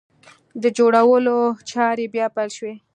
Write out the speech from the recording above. د جوړولو چارې بیا پیل شوې!